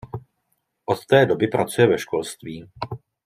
Od té doby pracuje ve školství.